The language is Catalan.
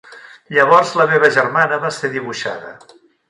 Llavors la meva germana va ser dibuixada.